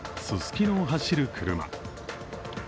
ススキノを走る車。